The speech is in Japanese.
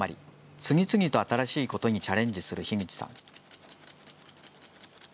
次々と新しいことにチャレンジする樋口さん。